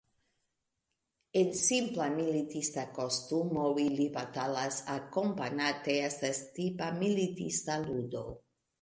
En simpla militista kostumo ili batalas akompanate estas tipa militista ludo.